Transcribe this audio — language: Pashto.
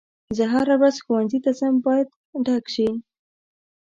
زه هره ورځ ښوونځي ته ځم باید ډک شي.